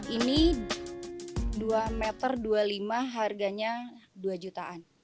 ini dua meter dua puluh lima harganya dua jutaan